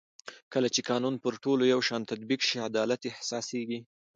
کله چې قانون پر ټولو یو شان تطبیق شي عدالت احساس کېږي